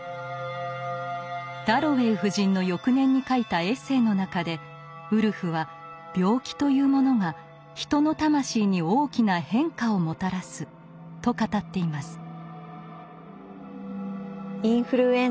「ダロウェイ夫人」の翌年に書いたエッセーの中でウルフは「『病気』というものが人の魂に大きな変化をもたらす」と語っています。